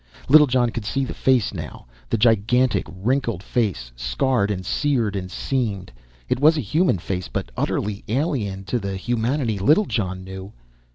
Littlejohn could see the face, now the gigantic, wrinkled face, scarred and seared and seamed. It was a human face, but utterly alien to the humanity Littlejohn knew.